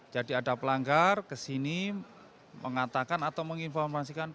jadi ada pelanggar kesini mengatakan atau menginformasikan